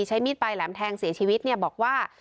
ใช้มีดปลายแหลมแทงเสียชีวิตเนี่ยบอกว่า